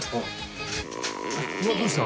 うわっどうした？